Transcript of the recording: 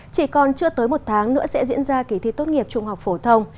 chỉ còn chưa tới một tháng nữa sẽ diễn ra kỳ thi tốt nghiệp trung học phổ thông